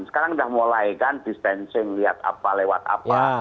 sekarang sudah mulai kan distancing lihat apa lewat apa